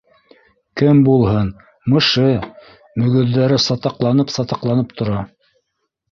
— Кем булһын, мышы, мөгөҙҙәре сатаҡланып-сатаҡла- нып тора